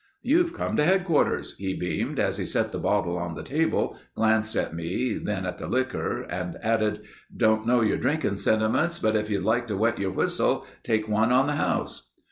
"You've come to headquarters," he beamed as he set the bottle on the table, glanced at me, then at the liquor and added: "Don't know your drinking sentiments but if you'd like to wet your whistle, take one on the house."